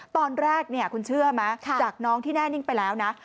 ตอนแรกคุณเชื่อไหมจากน้องที่แน่นิ่งไปแล้วนะ